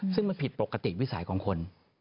ซึ่งมันผิดปกติวิสัยของคน